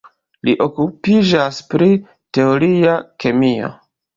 Li okupiĝas pri teoria kemio.